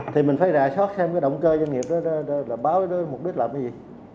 thì mình phải rà sót xem cái động cơ doanh nghiệp đó là báo cái đó mục đích làm cái gì